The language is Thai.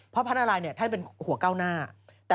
เพราะพระนารายท่านเป็นหัวก้าวหน้า